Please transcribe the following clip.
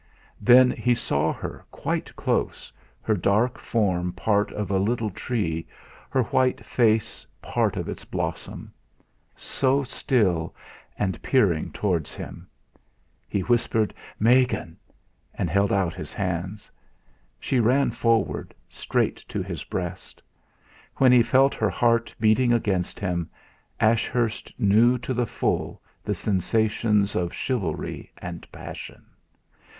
Then he saw her quite close her dark form part of a little tree, her white face part of its blossom; so still, and peering towards him. He whispered: "Megan!" and held out his hands. She ran forward, straight to his breast. When he felt her heart beating against him, Ashurst knew to the full the sensations of chivalry and passion.